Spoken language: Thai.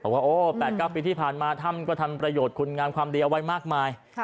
บอกว่า๘๙ปีที่ผ่านมาท่ำก็ทำประโยชน์คุณงามความเรียวไว้มากมาย